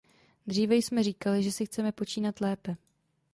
Dříve jsme říkali, že si chceme počínat lépe.